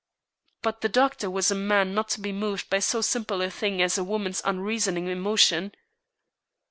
But the doctor was a man not to be moved by so simple a thing as a woman's unreasoning emotion.